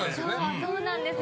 そうなんですよ。